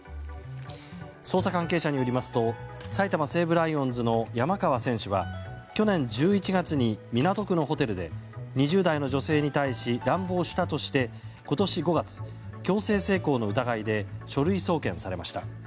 捜査関係者によりますと埼玉西武ライオンズの山川選手は去年１１月に港区のホテルで２０代の女性に対し乱暴したとして今年５月、強制性交の疑いで書類送検されました。